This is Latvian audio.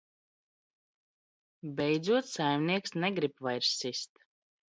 Beidzot saimnieks negrib vairs sist.